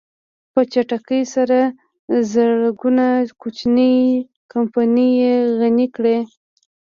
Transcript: په چټکۍ سره زرګونه کوچنۍ کمپنۍ يې غني کړې.